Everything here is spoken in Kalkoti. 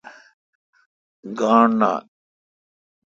گاݨڈ نان۔